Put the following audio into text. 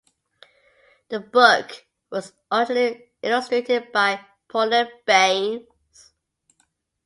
The book was originally illustrated by Pauline Baynes.